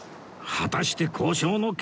果たして交渉の結果は